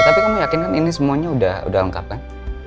tapi kamu yakin kan ini semuanya udah lengkap kan